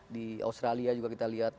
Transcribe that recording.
di australia juga kita lihat